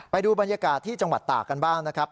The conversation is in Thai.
ไปดูบรรยากาศที่จังหวัดตากกันบ้างนะครับ